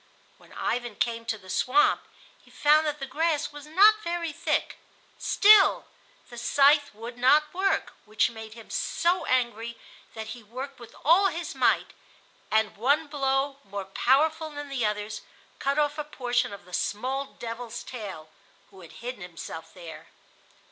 When Ivan came to the swamp he found that the grass was not very thick. Still, the scythe would not work, which made him so angry that he worked with all his might, and one blow more powerful than the others cut off a portion of the small devil's tail, who had hidden himself there.